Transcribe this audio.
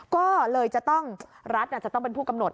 ก็เลยจะต้องรัฐจะต้องเป็นผู้กำหนด